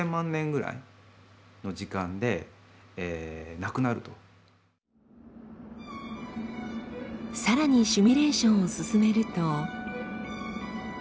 仲よくというかさらにシミュレーションを進めると。